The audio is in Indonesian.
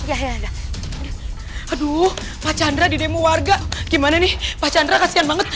aduh pak chandra di demo warga gimana nih pak chandra kasian banget